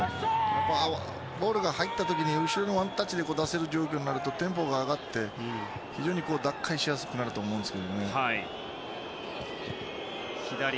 ボールが入った時に後ろのワンタッチで出せる状況になるとテンポが上がって、非常に打開しやすくなりますけどね。